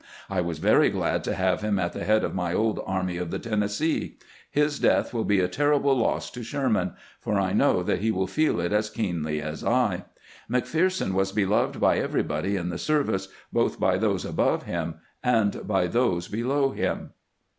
I was very glad to have him at the head of my old Army of the Tennessee. His death wiU. be a terrible loss to Sher man, for I know that he will feel it as keenly as I. McPherson was beloved by everybody in the service, both by those above him and by those below him."